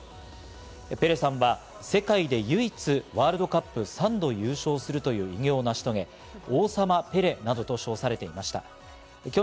ペレさんは、世界で唯一ワールドカップ３度優勝するという偉業を成し遂げ、王様ペレなどと称されていました。